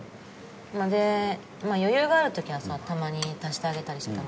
で余裕がある時はさたまに足してあげたりしてたの。